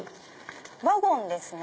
ワゴンですね。